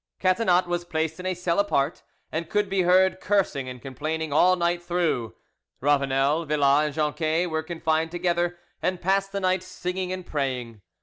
Catinat was placed in a cell apart, and could be, heard cursing and complaining all night through. Ravanel, Villas, and Jonquet were confined together, and passed the night singing and praying.